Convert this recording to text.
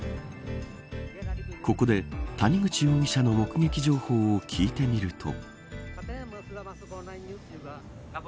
ここで谷口容疑者の目撃情報を聞いてみると。